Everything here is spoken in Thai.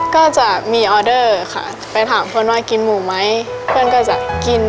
ก็จะมีออเดอร์ค่ะไปถามเพื่อนว่ากินหมูไหมเพื่อนก็จะกิน